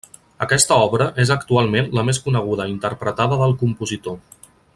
Aquesta obra és actualment la més coneguda i interpretada del compositor.